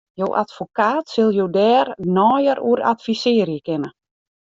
Jo advokaat sil jo dêr neier oer advisearje kinne.